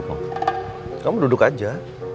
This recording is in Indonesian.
kamu duduk aja